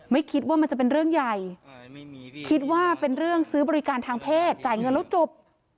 ไม่คิดว่ามันจะเป็นเรื่องใหญ่คิดว่าเป็นเรื่องซื้อบริการทางเพศจ่ายเงินแล้วจบ